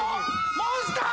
モンスター！